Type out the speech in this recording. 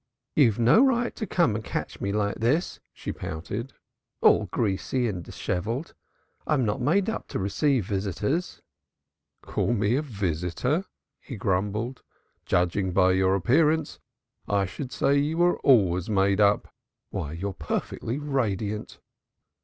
"You had no right to come and catch me like this," she pouted. "All greasy and dishevelled. I'm not made up to receive visitors." "Call me a visitor?" he grumbled. "Judging by your appearance, I should say you were always made up. Why, you're perfectly radiant."